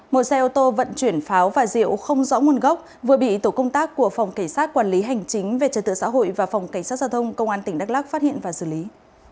một xe ô tô vận chuyển pháo và rượu không rõ nguồn gốc vừa bị tổ công tác của phòng cảnh sát quản lý hành chính về trật tự xã hội và phòng cảnh sát giao thông công an tỉnh đắk lắc phát hiện và xử lý